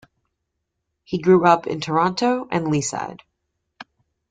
He grew up in Toronto and Leaside.